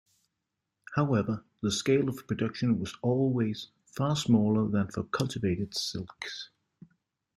However, the scale of production was always far smaller than for cultivated silks.